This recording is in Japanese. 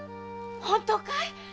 本当かい？